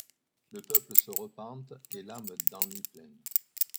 Le peuple se repente, ait l'âme d'ennui pleine